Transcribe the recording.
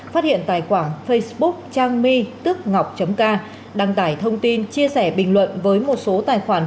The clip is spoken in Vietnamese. phát hiện tài quản facebook trang mi tức ngọc ca đăng tải thông tin chia sẻ bình luận với một số tài quản